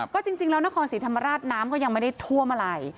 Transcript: ก็จริงแล้วนครศรีธรรมราชน้ำก็ยังไม่ได้ท่วมอะไร